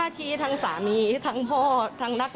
และก็มีการกินยาละลายริ่มเลือดแล้วก็ยาละลายขายมันมาเลยตลอดครับ